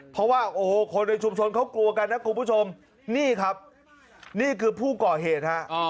เพราะว่าโอ้โหคนในชุมชนเขากลัวกันนะคุณผู้ชมนี่ครับนี่คือผู้ก่อเหตุฮะ